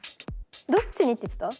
どっちにって言ってた？